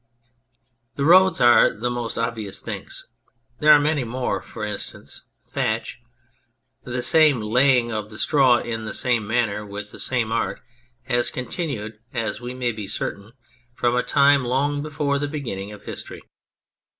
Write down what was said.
The roads are the most obvious things. There are many more ; for instance, thatch. The same laying of the straw in the same manner, with the same art, has continued, we may be certain, from a time long before the beginning of history.